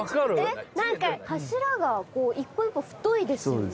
えっなんか柱が一本一本太いですよね。